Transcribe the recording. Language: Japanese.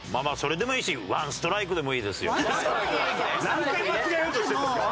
何回間違えようとしてるんですか。